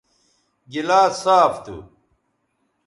گلاس صاف تھو